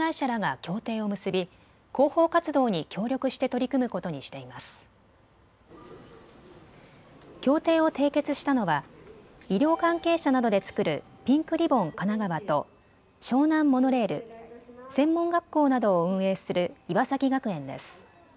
協定を締結したのは医療関係者などで作るピンクリボンかながわと湘南モノレール、専門学校などを運営する岩崎学園です。